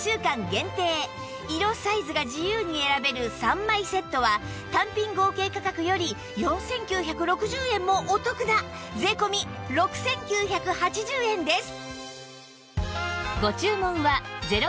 限定色・サイズが自由に選べる３枚セットは単品合計価格より４９６０円もお得な税込６９８０円です